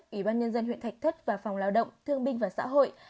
ủy ban nhân dân huyện thạch thất và phòng lao động thương binh và xã hội